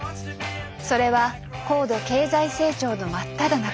それは高度経済成長のまっただ中。